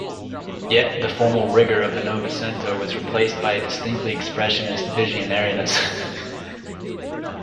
Yet, the formal rigour of the Novecento was replaced by a distinctly expressionist visionariness.